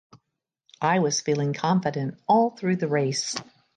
I was feeling confident all through the race.